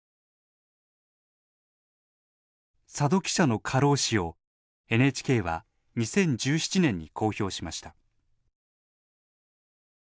佐戸記者の過労死をＮＨＫは２０１７年に公表しました。